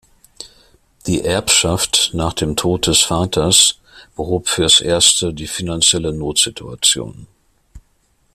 Die Erbschaft nach dem Tod des Vaters behob fürs Erste die finanzielle Notsituation.